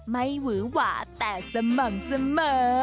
หวือหวาแต่สม่ำเสมอ